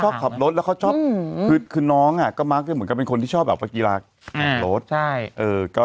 ชอบขับรถแล้วเขาชอบคือน้องก็มักจะเหมือนกับเป็นคนที่ชอบแบบว่ากีฬาแข่งรถ